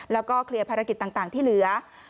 แล้วก็เคลียร์ภารกิจต่างที่เหลือ